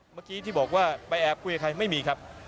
เมื่อกี้ที่บอกว่าไปแอบคุยกับใครไม่มีครับ